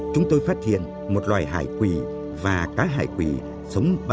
chúng tôi phát hiện một loài hải quỳ và cá hải quỳ sống bám dưới nền cát